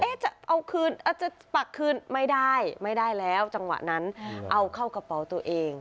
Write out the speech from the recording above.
จะเอาคืนอาจจะปักคืนไม่ได้ไม่ได้แล้วจังหวะนั้นเอาเข้ากระเป๋าตัวเอง